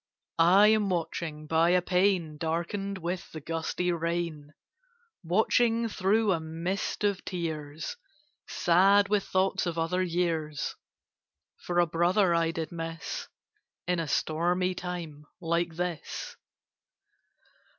I am watching by a pane Darkened with the gusty rain, Watching, through a mist of tears, Sad with thoughts of other years, For a brother I did miss In a stormy time like this.